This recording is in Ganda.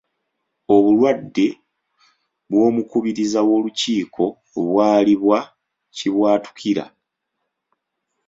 Obulwadde bw'omukubiriza w'olukiiko bwali bwa kibwatukira.